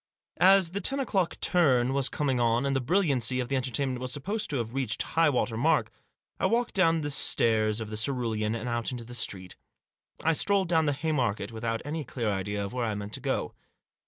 As the ten o'clock " turn " was coming on, and the brilliancy of the entertainment was supposed to have reached high water mark, I walked down the stairs of the Cerulean and out into the street. I strolled down the Haymarket without any clear idea of where I meant to go.